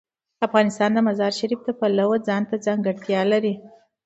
افغانستان د مزارشریف د پلوه ځانته ځانګړتیا لري.